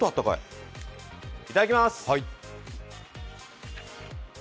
いただきます！